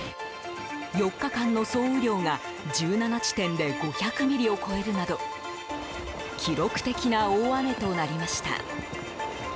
４日間の総雨量が、１７地点で５００ミリを超えるなど記録的な大雨となりました。